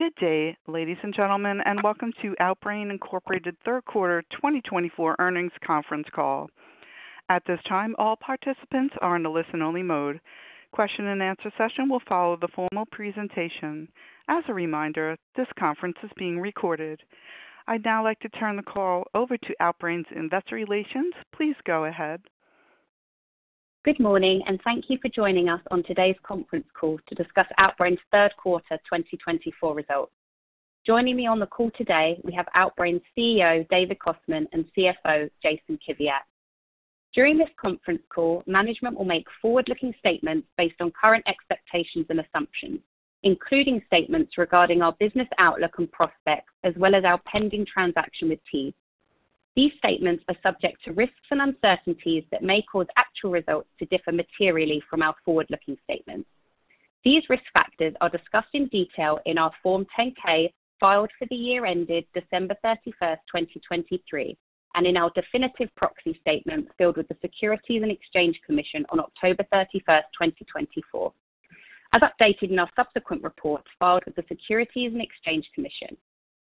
Good day, ladies and gentlemen, and welcome to Outbrain Incorporated's third quarter 2024 earnings conference call. At this time, all participants are in the listen-only mode. Question-and-answer session will follow the formal presentation. As a reminder, this conference is being recorded. I'd now like to turn the call over to Outbrain's Investor Relations. Please go ahead. Good morning, and thank you for joining us on today's conference call to discuss Outbrain's third quarter 2024 results. Joining me on the call today, we have Outbrain's CEO, David Kostman, and CFO, Jason Kiviat. During this conference call, management will make forward-looking statements based on current expectations and assumptions, including statements regarding our business outlook and prospects, as well as our pending transaction with Teads. These statements are subject to risks and uncertainties that may cause actual results to differ materially from our forward-looking statements. These risk factors are discussed in detail in our Form 10-K filed for the year ended December 31st, 2023, and in our definitive proxy statement filed with the Securities and Exchange Commission on October 31st, 2024, as updated in our subsequent reports filed with the Securities and Exchange Commission.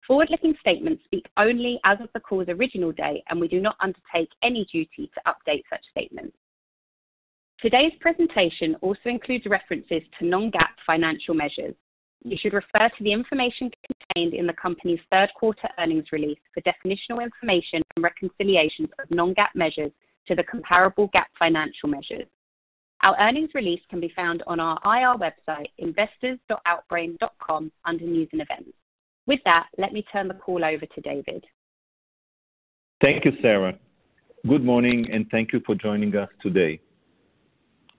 Forward-looking statements speak only as of the call's original date, and we do not undertake any duty to update such statements. Today's presentation also includes references to Non-GAAP financial measures. You should refer to the information contained in the company's third quarter earnings release for definitional information and reconciliations of Non-GAAP measures to the comparable GAAP financial measures. Our earnings release can be found on our IR website, investors.outbrain.com, under News and Events. With that, let me turn the call over to David. Thank you, Sarah. Good morning, and thank you for joining us today.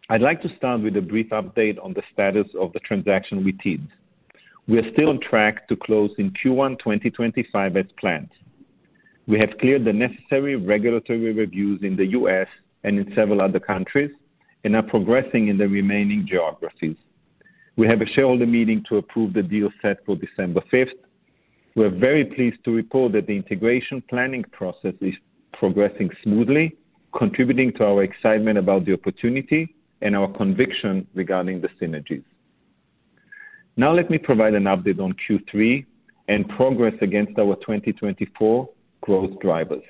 I'd like to start with a brief update on the status of the transaction with Teads. We are still on track to close in Q1 2025 as planned. We have cleared the necessary regulatory reviews in the U.S. and in several other countries and are progressing in the remaining geographies. We have a shareholder meeting to approve the deal set for December 5th. We are very pleased to report that the integration planning process is progressing smoothly, contributing to our excitement about the opportunity and our conviction regarding the synergies. Now, let me provide an update on Q3 and progress against our 2024 growth drivers.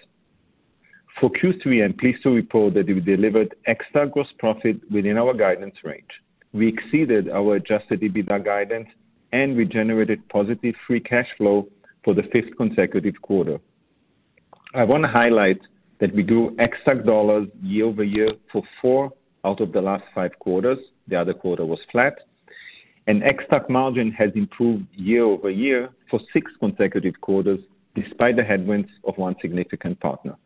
For Q3, I'm pleased to report that we delivered Ex-TAC gross profit within our guidance range. We exceeded our Adjusted EBITDA guidance, and we generated positive Free Cash Flow for the fifth consecutive quarter. I want to highlight that we grew Ex-TAC dollars year-over-year for four out of the last five quarters, the other quarter was flat, and Ex-TAC margin has improved year-over-year for six consecutive quarters, despite the headwinds of one significant partner.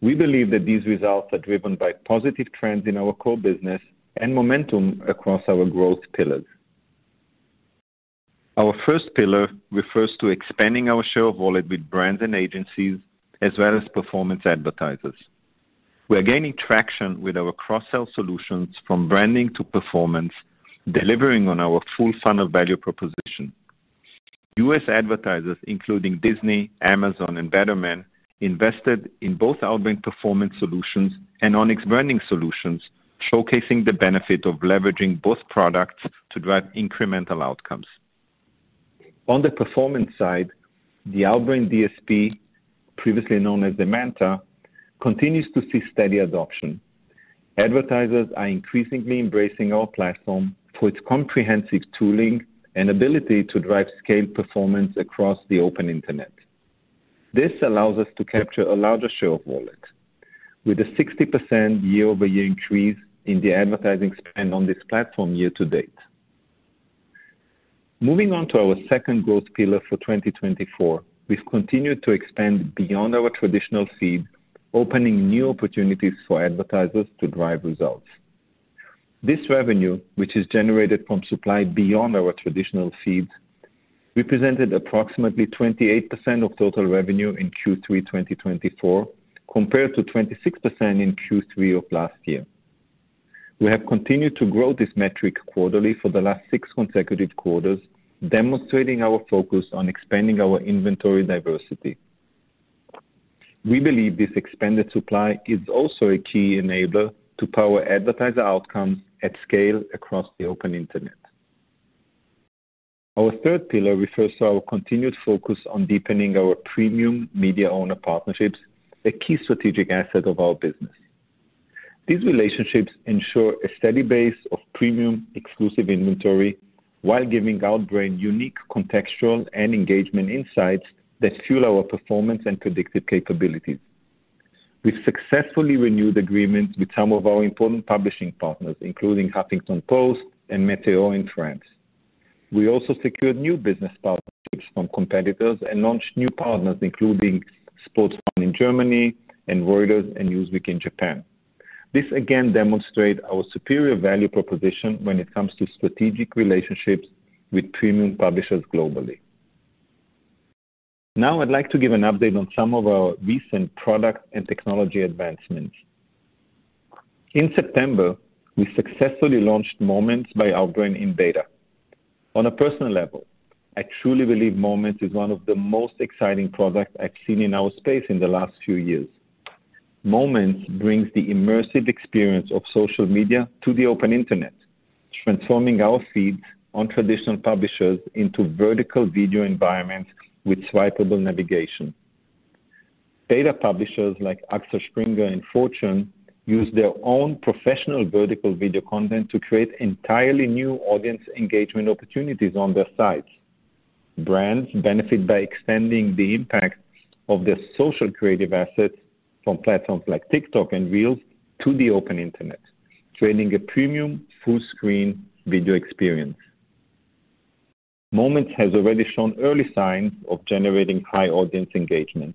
We believe that these results are driven by positive trends in our core business and momentum across our growth pillars. Our first pillar refers to expanding our share of wallet with brands and agencies, as well as performance advertisers. We are gaining traction with our cross-sell solutions from branding to performance, delivering on our full funnel value proposition. U.S. advertisers, including Disney, Amazon, and Betterment, invested in both Outbrain performance solutions and Onyx branding solutions, showcasing the benefit of leveraging both products to drive incremental outcomes. On the performance side, the Outbrain DSP, previously known as Zemanta, continues to see steady adoption. Advertisers are increasingly embracing our platform for its comprehensive tooling and ability to drive scaled performance across the open internet. This allows us to capture a larger share of wallet, with a 60% year-over-year increase in the advertising spend on this platform year to date. Moving on to our second growth pillar for 2024, we've continued to expand beyond our traditional feed, opening new opportunities for advertisers to drive results. This revenue, which is generated from supply beyond our traditional feeds, represented approximately 28% of total revenue in Q3 2024, compared to 26% in Q3 of last year. We have continued to grow this metric quarterly for the last six consecutive quarters, demonstrating our focus on expanding our inventory diversity. We believe this expanded supply is also a key enabler to power advertiser outcomes at scale across the open internet. Our third pillar refers to our continued focus on deepening our premium media owner partnerships, a key strategic asset of our business. These relationships ensure a steady base of premium exclusive inventory while giving Outbrain unique contextual and engagement insights that fuel our performance and predictive capabilities. We've successfully renewed agreements with some of our important publishing partners, including Huffington Post and Météo in France. We also secured new business partnerships from competitors and launched new partners, including Sport1 in Germany and Reuters and Newsweek in Japan. This again demonstrates our superior value proposition when it comes to strategic relationships with premium publishers globally. Now, I'd like to give an update on some of our recent product and technology advancements. In September, we successfully launched Moments by Outbrain in beta. On a personal level, I truly believe Moments is one of the most exciting products I've seen in our space in the last few years. Moments brings the immersive experience of social media to the open internet, transforming our feeds on traditional publishers into vertical video environments with swipeable navigation. Beta publishers like Axel Springer and Fortune use their own professional vertical video content to create entirely new audience engagement opportunities on their sites. Brands benefit by extending the impact of their social creative assets from platforms like TikTok and Reels to the open internet, creating a premium full-screen video experience. Moments has already shown early signs of generating high audience engagement,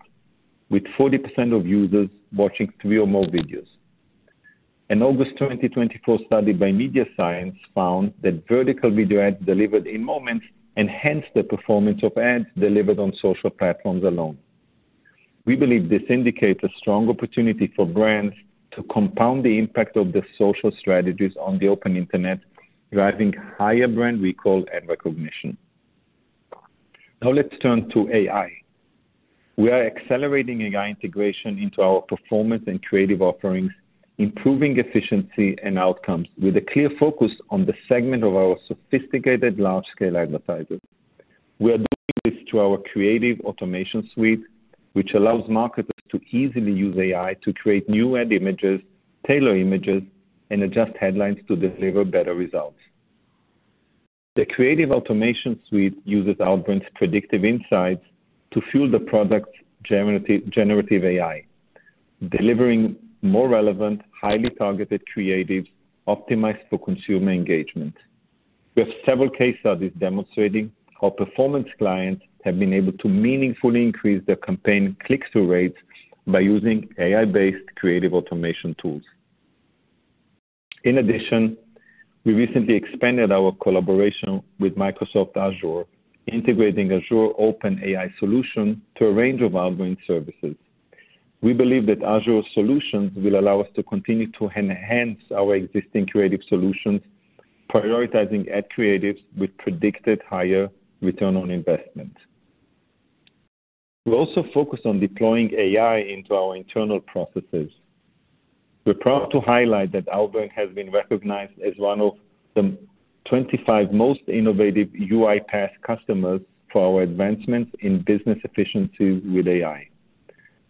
with 40% of users watching three or more videos. An August 2024 study by MediaScience found that vertical video ads delivered in Moments enhanced the performance of ads delivered on social platforms alone. We believe this indicates a strong opportunity for brands to compound the impact of their social strategies on the open internet, driving higher brand recall and recognition. Now, let's turn to AI. We are accelerating AI integration into our performance and creative offerings, improving efficiency and outcomes with a clear focus on the segment of our sophisticated large-scale advertisers. We are doing this through our Creative Automation Suite, which allows marketers to easily use AI to create new ad images, tailor images, and adjust headlines to deliver better results. The Creative Automation Suite uses Outbrain's predictive insights to fuel the product's generative AI, delivering more relevant, highly targeted creatives optimized for consumer engagement. We have several case studies demonstrating how performance clients have been able to meaningfully increase their campaign click-through rates by using AI-based creative automation tools. In addition, we recently expanded our collaboration with Microsoft Azure, integrating Azure OpenAI solution to a range of Outbrain services. We believe that Azure's solutions will allow us to continue to enhance our existing creative solutions, prioritizing ad creatives with predicted higher return on investment. We also focus on deploying AI into our internal processes. We're proud to highlight that Outbrain has been recognized as one of the 25 most innovative UiPath customers for our advancements in business efficiency with AI.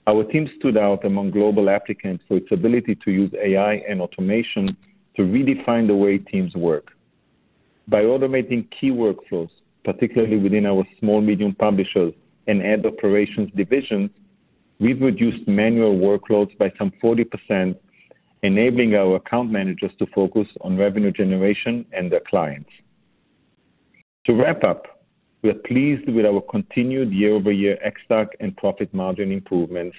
Our team stood out among global applicants for its ability to use AI and automation to redefine the way teams work. By automating key workflows, particularly within our small-medium publishers and ad operations divisions, we've reduced manual workloads by some 40%, enabling our account managers to focus on revenue generation and their clients. To wrap up, we are pleased with our continued year-over-year Ex-TAC and profit margin improvements,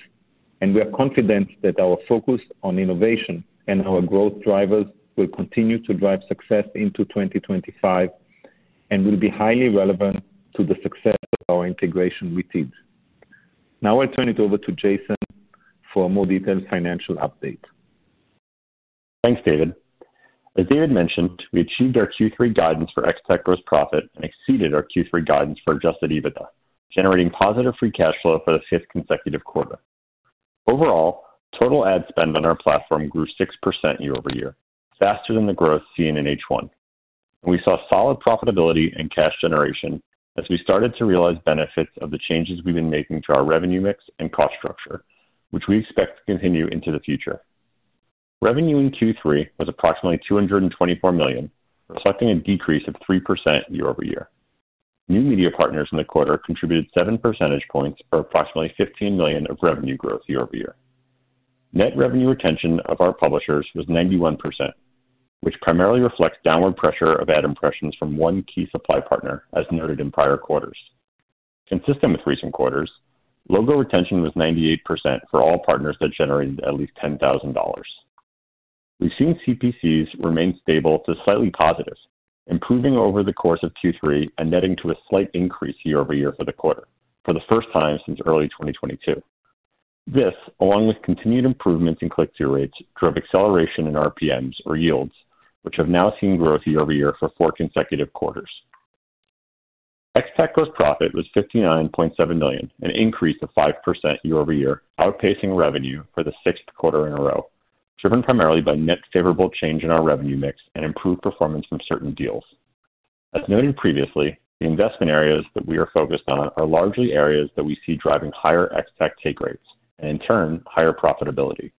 and we are confident that our focus on innovation and our growth drivers will continue to drive success into 2025 and will be highly relevant to the success of our integration with Teads. Now, I'll turn it over to Jason for a more detailed financial update. Thanks, David. As David mentioned, we achieved our Q3 guidance for Ex-TAC gross profit and exceeded our Q3 guidance for Adjusted EBITDA, generating positive free cash flow for the fifth consecutive quarter. Overall, total ad spend on our platform grew 6% year-over-year, faster than the growth seen in H1. We saw solid profitability and cash generation as we started to realize benefits of the changes we've been making to our revenue mix and cost structure, which we expect to continue into the future. Revenue in Q3 was approximately $224 million, reflecting a decrease of 3% year-over-year. New media partners in the quarter contributed 7 percentage points or approximately $15 million of revenue growth year-over-year. Net revenue retention of our publishers was 91%, which primarily reflects downward pressure of ad impressions from one key supply partner, as noted in prior quarters. Consistent with recent quarters, logo retention was 98% for all partners that generated at least $10,000. We've seen CPCs remain stable to slightly positive, improving over the course of Q3 and netting to a slight increase year-over-year for the quarter, for the first time since early 2022. This, along with continued improvements in click-through rates, drove acceleration in RPMs or yields, which have now seen growth year-over-year for four consecutive quarters. Ex-TAC gross profit was $59.7 million, an increase of 5% year-over-year, outpacing revenue for the sixth quarter in a row, driven primarily by net favorable change in our revenue mix and improved performance from certain deals. As noted previously, the investment areas that we are focused on are largely areas that we see driving higher Ex-TAC take rates and, in turn, higher profitability.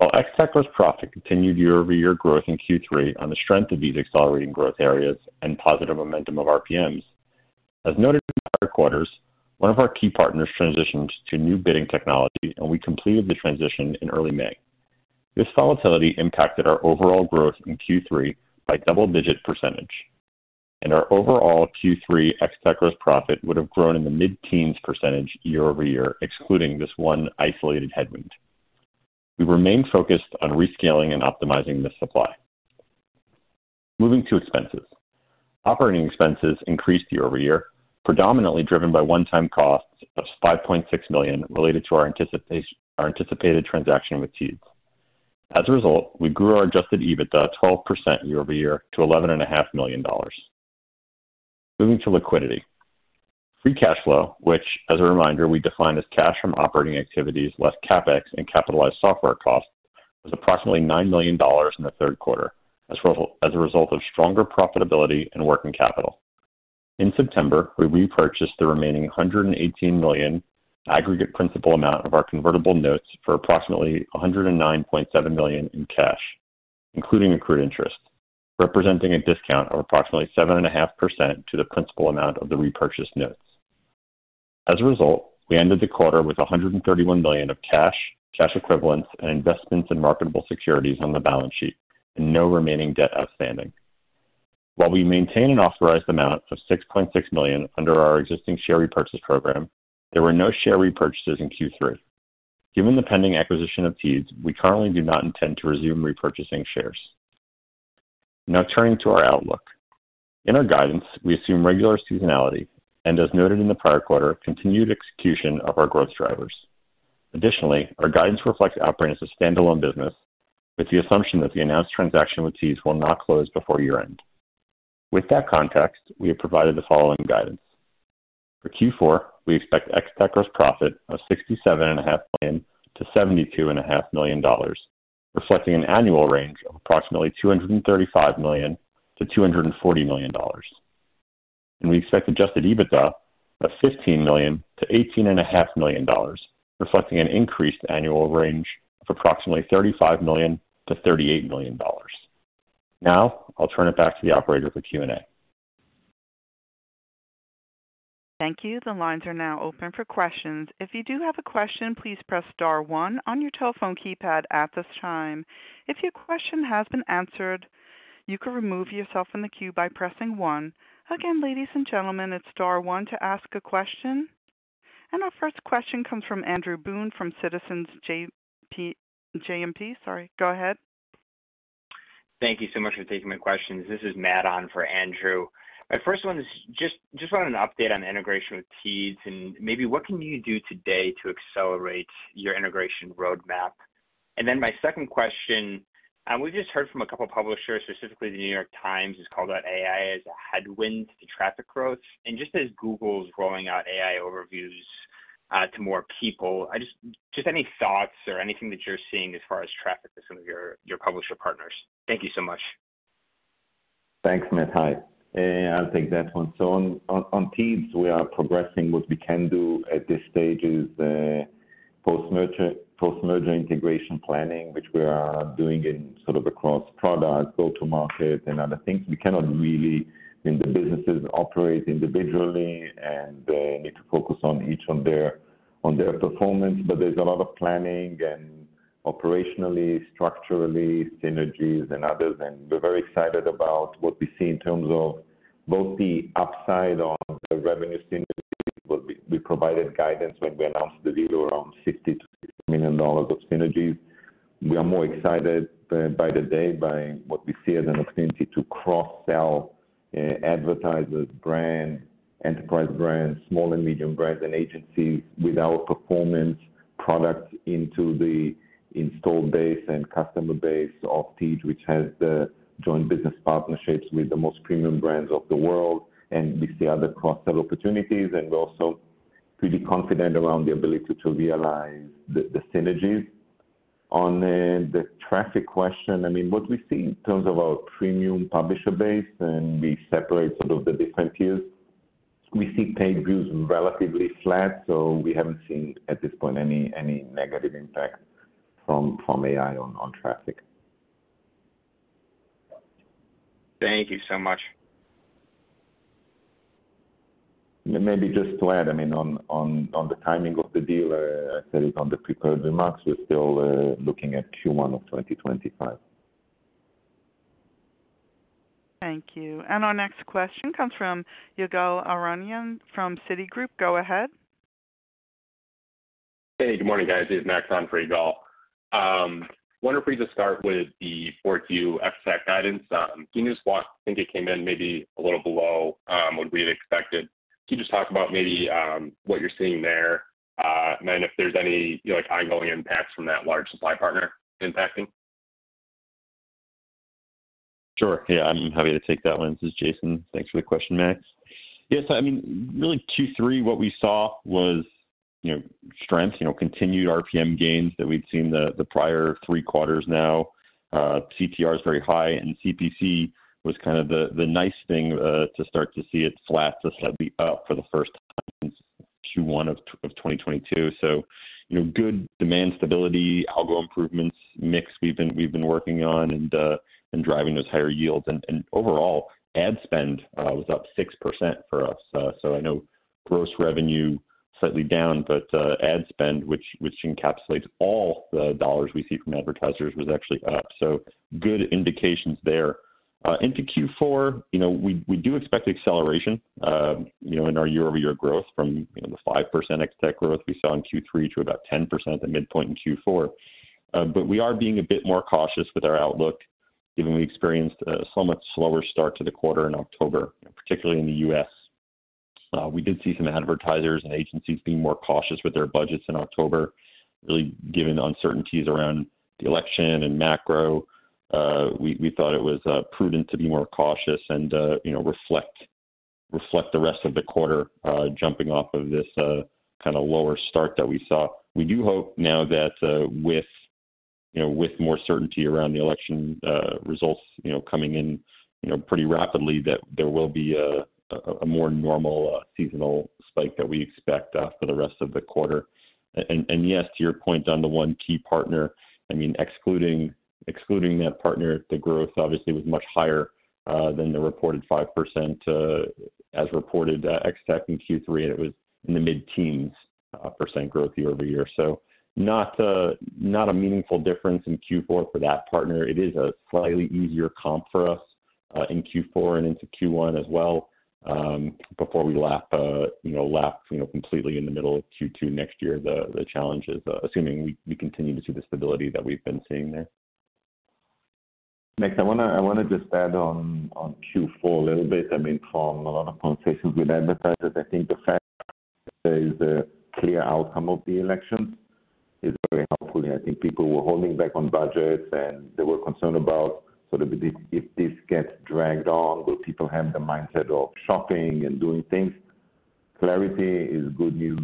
While Ex-TAC gross profit continued year-over-year growth in Q3 on the strength of these accelerating growth areas and positive momentum of RPMs, as noted in prior quarters, one of our key partners transitioned to new bidding technology, and we completed the transition in early May. This volatility impacted our overall growth in Q3 by double-digit percentage, and our overall Q3 Ex-TAC gross profit would have grown in the mid-teens percentage year-over-year, excluding this one isolated headwind. We remained focused on rescaling and optimizing this supply. Moving to expenses. Operating expenses increased year-over-year, predominantly driven by one-time costs of $5.6 million related to our anticipated transaction with Teads. As a result, we grew our Adjusted EBITDA 12% year-over-year to $11.5 million. Moving to liquidity. Free cash flow, which, as a reminder, we define as cash from operating activities less CapEx and capitalized software costs, was approximately $9 million in the third quarter, as a result of stronger profitability and working capital. In September, we repurchased the remaining $118 million aggregate principal amount of our convertible notes for approximately $109.7 million in cash, including accrued interest, representing a discount of approximately 7.5% to the principal amount of the repurchased notes. As a result, we ended the quarter with $131 million of cash, cash equivalents, and investments in marketable securities on the balance sheet, and no remaining debt outstanding. While we maintain an authorized amount of $6.6 million under our existing share repurchase program, there were no share repurchases in Q3. Given the pending acquisition of Teads, we currently do not intend to resume repurchasing shares. Now, turning to our outlook. In our guidance, we assume regular seasonality and, as noted in the prior quarter, continued execution of our growth drivers. Additionally, our guidance reflects Outbrain as a standalone business, with the assumption that the announced transaction with Teads will not close before year-end. With that context, we have provided the following guidance. For Q4, we expect Ex-TAC gross profit of $67.5 million-$72.5 million, reflecting an annual range of approximately $235 million-$240 million, and we expect Adjusted EBITDA of $15 million-$18.5 million, reflecting an increased annual range of approximately $35 million-$38 million. Now, I'll turn it back to the operators for Q&A. Thank you. The lines are now open for questions. If you do have a question, please press star one on your telephone keypad at this time. If your question has been answered, you can remove yourself from the queue by pressing one. Again, ladies and gentlemen, it's star one to ask a question. And our first question comes from Andrew Boone from Citizens JMP. Sorry. Go ahead. Thank you so much for taking my questions. This is Matt on for Andrew. My first one is just wanted an update on integration with Teads and maybe what can you do today to accelerate your integration roadmap? And then my second question, we've just heard from a couple of publishers, specifically The New York Times, it's called out AI as a headwind to traffic growth. And just as Google is rolling out AI Overviews to more people, just any thoughts or anything that you're seeing as far as traffic with some of your publisher partners? Thank you so much. Thanks, Matt. Hi. I'll take that one. So on Teads, we are progressing. What we can do at this stage is post-merger integration planning, which we are doing in sort of across product, go-to-market, and other things. We cannot really, I mean, the businesses operate individually and need to focus on each of their performance, but there's a lot of planning and operationally, structurally, synergies, and others. And we're very excited about what we see in terms of both the upside on the revenue synergy. We provided guidance when we announced the deal around $60 million-$60 million of synergies. We are more excited by the day by what we see as an opportunity to cross-sell advertisers, brands, enterprise brands, small and medium brands, and agencies with our performance products into the installed base and customer base of Teads, which has the joint business partnerships with the most premium brands of the world, and we see other cross-sell opportunities, and we're also pretty confident around the ability to realize the synergies. On the traffic question, I mean, what we see in terms of our premium publisher base and we separate sort of the different tiers, we see paid views relatively flat, so we haven't seen at this point any negative impact from AI on traffic. Thank you so much. Maybe just to add, I mean, on the timing of the deal, I said it on the prepared remarks, we're still looking at Q1 of 2025. Thank you. And our next question comes from Yigal Arounian from Citigroup. Go ahead. Hey, good morning, guys. This is Max on for Yigal. Wonder if we could start with the 4Q Ex-TAC guidance. Do you just want - I think it came in maybe a little below what we had expected. Can you just talk about maybe what you're seeing there and then if there's any ongoing impacts from that large supply partner impacting? Sure. Yeah, I'm happy to take that one. This is Jason. Thanks for the question, Max. Yeah, so I mean, really Q3, what we saw was strength, continued RPM gains that we'd seen the prior three quarters now. CTR is very high, and CPC was kind of the nice thing to start to see it flat to slightly up for the first time since Q1 of 2022, so good demand stability, algo improvements mix we've been working on and driving those higher yields, and overall, ad spend was up 6% for us, so I know gross revenue slightly down, but ad spend, which encapsulates all the dollars we see from advertisers, was actually up. So good indications there. Into Q4, we do expect acceleration in our year-over-year growth from the 5% Ex-TAC growth we saw in Q3 to about 10% at midpoint in Q4. But we are being a bit more cautious with our outlook, given we experienced a somewhat slower start to the quarter in October, particularly in the U.S. We did see some advertisers and agencies being more cautious with their budgets in October, really given uncertainties around the election and macro. We thought it was prudent to be more cautious and reflect the rest of the quarter jumping off of this kind of lower start that we saw. We do hope now that with more certainty around the election results coming in pretty rapidly, that there will be a more normal seasonal spike that we expect for the rest of the quarter. And yes, to your point on the one key partner, I mean, excluding that partner, the growth obviously was much higher than the reported 5% as reported Ex-TAC in Q3, and it was in the mid-teens% growth year-over-year. So not a meaningful difference in Q4 for that partner. It is a slightly easier comp for us in Q4 and into Q1 as well before we lap completely in the middle of Q2 next year, the challenges, assuming we continue to see the stability that we've been seeing there. Max, I want to just add on Q4 a little bit. I mean, from a lot of conversations with advertisers, I think the fact that there is a clear outcome of the election is very helpful. I think people were holding back on budgets, and they were concerned about sort of if this gets dragged on, will people have the mindset of shopping and doing things? Clarity is good news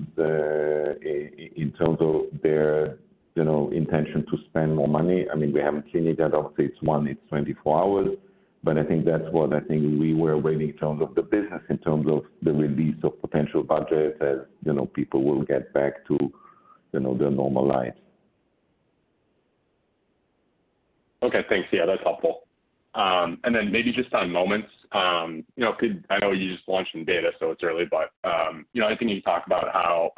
in terms of their intention to spend more money. I mean, we haven't seen it at updates one, it's 24 hours, but I think that's what I think we were waiting in terms of the business, in terms of the release of potential budgets as people will get back to their normal lives. Okay. Thanks. Yeah, that's helpful. And then maybe just on Moments, I know you just launched in beta, so it's early, but I think you talked about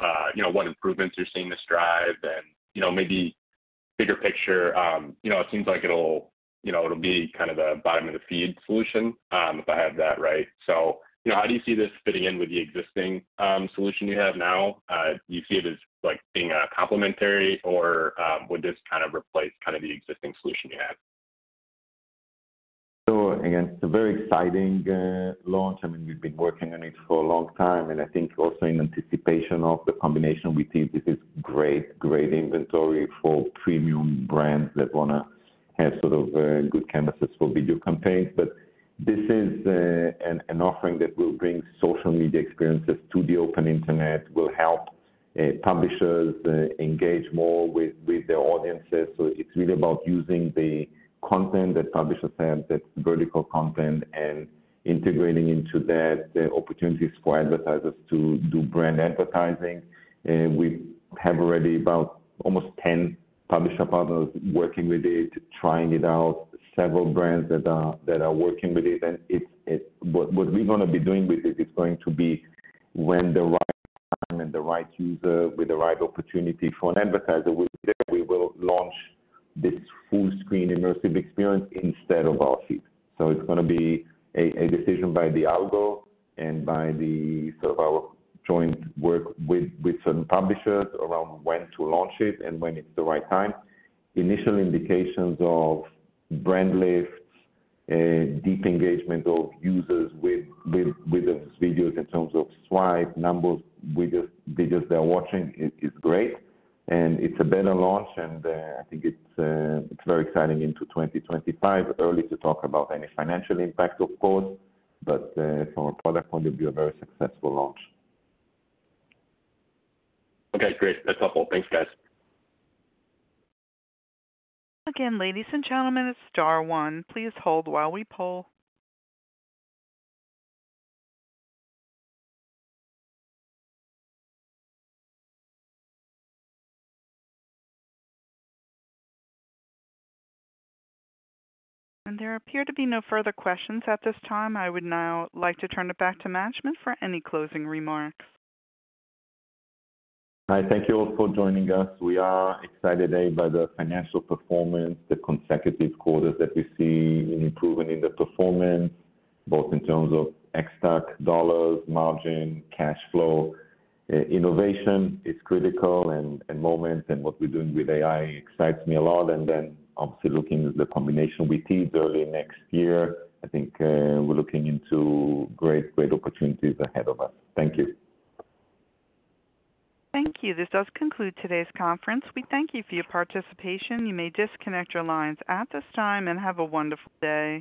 what improvements you're seeing this drive and maybe bigger picture. It seems like it'll be kind of the bottom of the feed solution, if I have that right. So how do you see this fitting in with the existing solution you have now? Do you see it as being complementary, or would this kind of replace kind of the existing solution you have? So again, it's a very exciting launch. I mean, we've been working on it for a long time, and I think also in anticipation of the combination with Teads, this is great, great inventory for premium brands that want to have sort of good canvases for video campaigns. But this is an offering that will bring social media experiences to the open internet, will help publishers engage more with their audiences. So it's really about using the content that publishers have that's vertical content and integrating into that opportunities for advertisers to do brand advertising. We have already about almost 10 publisher partners working with it, trying it out, several brands that are working with it. And what we're going to be doing with it is going to be when the right time and the right user with the right opportunity for an advertiser will be there, we will launch this full-screen immersive experience instead of our feed. So it's going to be a decision by the algo and by sort of our joint work with certain publishers around when to launch it and when it's the right time. Initial indications of brand lifts, deep engagement of users with those videos in terms of swipe, numbers with just videos they're watching is great. And it's a better launch, and I think it's very exciting into 2025. Early to talk about any financial impact, of course, but from a product point of view, a very successful launch. Okay. Great. That's helpful. Thanks, guys. Again, ladies and gentlemen, it's star one. Please hold while we poll. And there appear to be no further questions at this time. I would now like to turn it back to Kostman for any closing remarks. Hi. Thank you all for joining us. We are excited today by the financial performance, the consecutive quarters that we see in improving in the performance, both in terms of Ex-TAC dollars, margin, cash flow. Innovation is critical, and Moments and what we're doing with AI excites me a lot. Then obviously looking at the combination with Teads early next year, I think we're looking into great, great opportunities ahead of us. Thank you. Thank you. This does conclude today's conference. We thank you for your participation. You may disconnect your lines at this time and have a wonderful day.